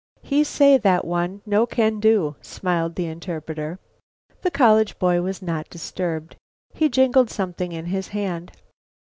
"He say, that one, no can do," smiled the interpreter. The college boy was not disturbed. He jingled something in his hand.